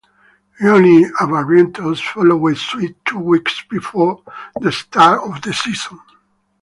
Johnny Abarrientos followed suit two weeks before the start of the season.